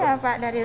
iya pak dari rumah